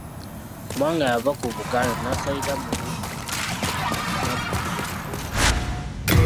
Mwanga yava ku Buganda n'asalira mu Buddu n'aggukira e Mubende.